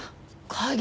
鍵？